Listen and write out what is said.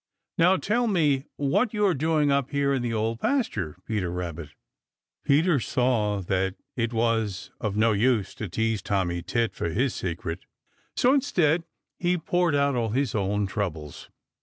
Now tell me what you are doing up here in the Old Pasture, Peter Rabbit." Peter saw that it was of no use to tease Tommy Tit for his secret, so instead he poured out all his own troubles.